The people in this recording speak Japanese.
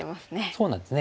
そうなんですね。